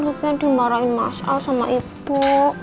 sepertinya dimarahin masal sama ibu